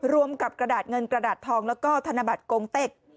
รวมกับกระดาษเงินกระดาษทองแล้วก็ธนบัตรกงเต็ก